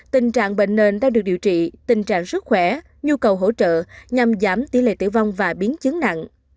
tình trạng bệnh nền đang được điều trị tình trạng sức khỏe nhu cầu hỗ trợ nhằm giảm tỷ lệ tử vong và biến chứng nặng